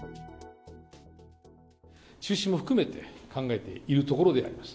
中止も含めて考えているところであります。